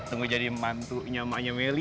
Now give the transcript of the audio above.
tunggu jadi mantunya maknya meli